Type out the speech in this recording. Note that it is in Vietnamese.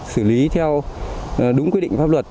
xử lý theo đúng quy định pháp luật